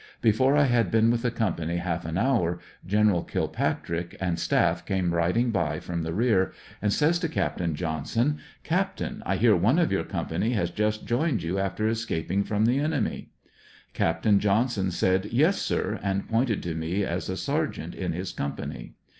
Before I had been with the company half an hour Gen. Kilpatrick and staff came riding by from the rear, and says to Capt. Johnson: "Captain, 1 hear one of your company has just joined you after escap ing from the enemy. " Capt. Johnson said, ''Yes, sir," and pointed to me as a Sergeant in his company.